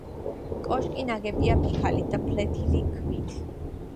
კოშკი ნაგებია ფიქალით და ფლეთილი ქვით.